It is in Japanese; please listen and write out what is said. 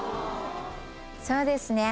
そうですね